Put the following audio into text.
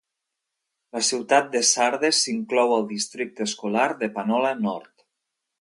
La ciutat de Sardes s'inclou al districte escolar de Panola Nord.